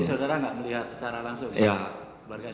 jadi saudara gak melihat secara langsung